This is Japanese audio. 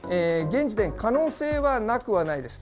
現時点、可能性はなくはないです。